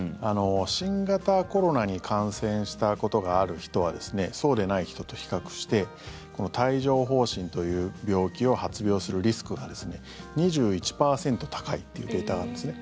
新型コロナに感染したことがある人はそうでない人と比較してこの帯状疱疹という病気を発病するリスクが２１％高いというデータがあるんですね。